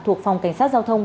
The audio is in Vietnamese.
thuộc phòng cảnh sát giao thông